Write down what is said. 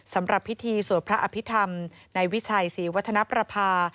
สำหรับพิธีสวดพระอภิษฐรรมในวิชัยศรีวัฒนประภา